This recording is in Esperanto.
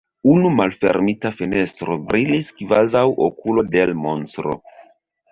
Unu malfermita fenestro brilis kvazaŭ okulo de l' monstro.